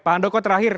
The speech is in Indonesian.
pak andoko terakhir